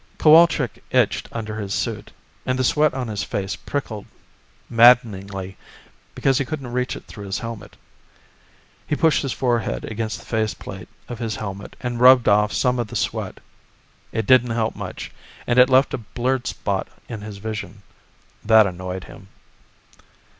Cowalczk itched under his suit, and the sweat on his face prickled maddeningly because he couldn't reach it through his helmet. He pushed his forehead against the faceplate of his helmet and rubbed off some of the sweat. It didn't help much, and it left a blurred spot in his vision. That annoyed him.